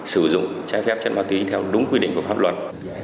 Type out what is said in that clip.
sử dụng trai phép trên ma túy theo đúng quy định của pháp luật